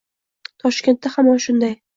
Toshkentda hamon shunday